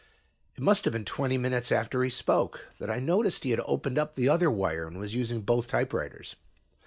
It must have been twenty minutes after he spoke that I noticed he had opened up the other wire and was using both typewriters.